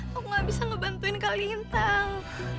kak aku gak bisa ngebantuin kak lintang